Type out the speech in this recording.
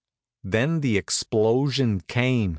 Then the explosion came.